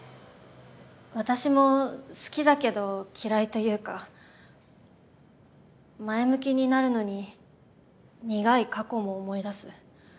私も好きだけど嫌いというか前向きになるのに苦い過去も思い出す。